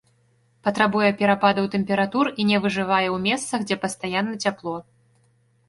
Патрабуе перападаў тэмператур і не выжывае ў месцах, дзе пастаянна цяпло.